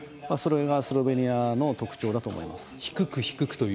それがスロベニアの特徴だと思います。